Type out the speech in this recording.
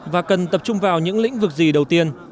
và cần tập trung vào những lĩnh vực gì đầu tiên